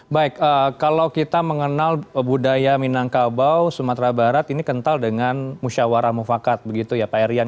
baik kalau kita mengenal budaya minangkabau sumatera barat ini kental dengan musyawarah mufakat begitu ya pak erian